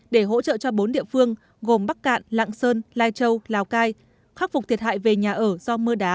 để hỗ trợ cho bốn địa phương gồm bắc cạn lạng sơn lai châu lào cai khắc phục thiệt hại về nhà ở do mưa đá